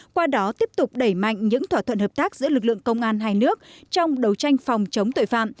qua đó tiếp tục đẩy mạnh những thỏa thuận hợp tác giữa lực lượng công an hai nước trong đấu tranh phòng chống tội phạm